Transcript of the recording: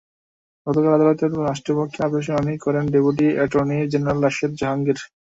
গতকাল আদালতে রাষ্ট্রপক্ষে আপিল শুনানি করেন deputy attorney general Rashed Jahangir.